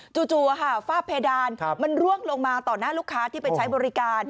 จู่ฝ้าเพดานมันร่วงลงมาต่อหน้าลูกค้าที่ไปใช้บริการ